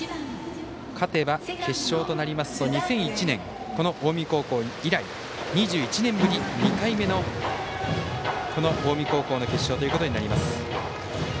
勝てば、決勝となりますと２００１年この近江高校以来２１年ぶり２回目の近江高校の決勝となります。